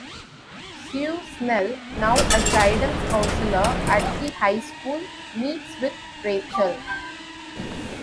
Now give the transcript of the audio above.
Sue Snell, now a guidance counselor at the high school, meets with Rachel.